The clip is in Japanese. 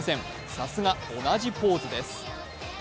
さすが同じポーズです。